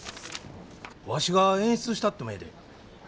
わしが演出したってもええで。